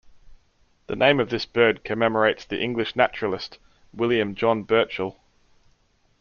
The name of this bird commemorates the English naturalist William John Burchell.